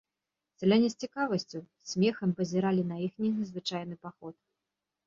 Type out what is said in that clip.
Сяляне з цікавасцю, з смехам пазіралі на іхні незвычайны паход.